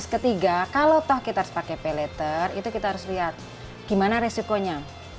ketiga kalau kita harus pakai pay later kita harus lihat bagaimana resikonya